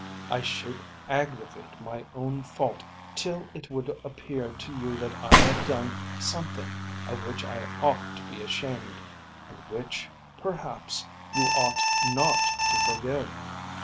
I should aggravate my own fault till it would appear to you that I had done something of which I ought to be ashamed, and which perhaps you ought not to forgive.